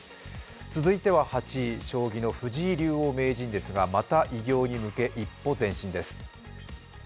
続いては８位、将棋の藤井竜王名人ですが、また偉業に向け一歩前進です。